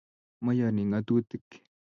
Mayanik ngatutik